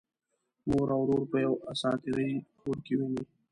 مور او ورور په یوه اساطیري کور کې ويني.